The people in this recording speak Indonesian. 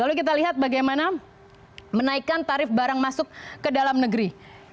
lalu kita lihat bagaimana menaikkan tarif barang masuk ke dalam negeri